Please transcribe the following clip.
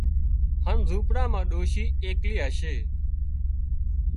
هانَ زونپڙا مان ڏوشِي ايڪلي هشي